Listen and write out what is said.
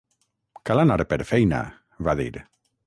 Cal anar per feina, va dir.